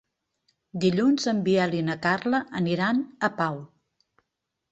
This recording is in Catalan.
Dilluns en Biel i na Carla aniran a Pau.